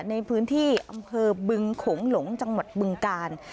ในพื้นที่อำเภอบึงโขงหลงจังหวัดบึงกาล